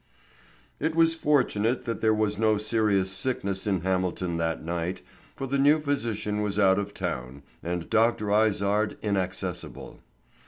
IT was fortunate that there was no serious sickness in Hamilton that night, for the new physician was out of town and Dr. Izard inaccessible.